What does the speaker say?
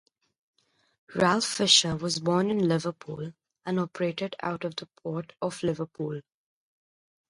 Ralph Fisher was born in Liverpool and operated out of the Port of Liverpool.